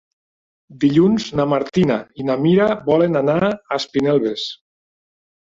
Dilluns na Martina i na Mira volen anar a Espinelves.